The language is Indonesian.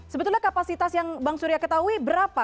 sebetulnya kapasitas yang bang surya ketahui berapa